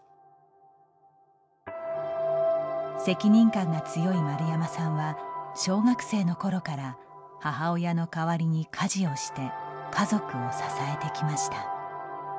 責任感が強い丸山さんは小学生のころから母親の代わりに家事をして家族を支えてきました。